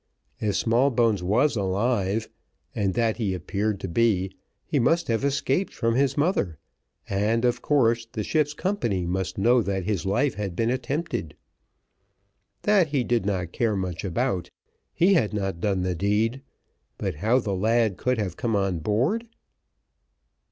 If Smallbones was alive, and that he appeared to be, he must have escaped from his mother, and, of course, the ship's company must know that his life had been attempted. That he did not care much about; he had not done the deed; but how the lad could have come on board!